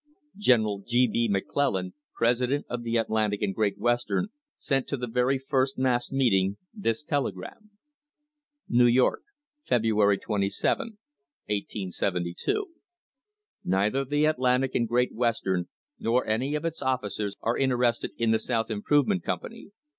General G. B. McClellan, presi i dent of the Atlantic and Great Western, sent to the very first mass meeting this telegram: New York, February 27, 1872. Neither the Atlantic and Great Western, nor any of its officers, are interested in the South Improvement Company.